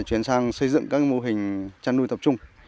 chuyển sang xây dựng các mô hình chăn nuôi tập trung